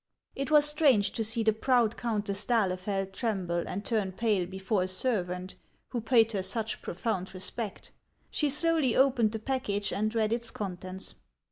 It was strange to see the proud Countess d'Alilei'eld tremble and turn pale before a servant who paid her such profound respect. She slowly opened the package and read its contents.